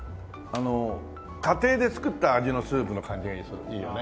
家庭で作った味のスープの感じがいいよね。